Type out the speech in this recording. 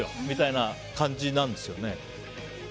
みたいな感じなんですよね。